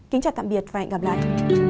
kính chào tạm biệt và hẹn gặp lại